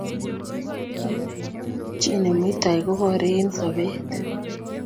Chii nemuitoi kobore eng sobet